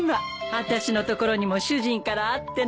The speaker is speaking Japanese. あたしのところにも主人からあってね。